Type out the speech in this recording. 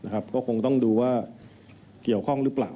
ก็คงต้องดูว่าเกี่ยวข้องหรือเปล่า